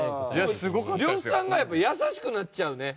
呂布さんがやっぱ優しくなっちゃうね。